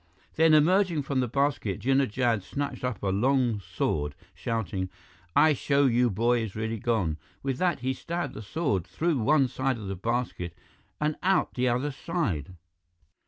Then, emerging from the basket, Jinnah Jad snatched up a long sword, shouting, "I show you boy is really gone!" With that, he stabbed the sword through one side of the basket and out the other side.